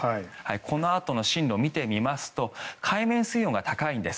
このあとの進路を見てみますと海面水温が高いんです。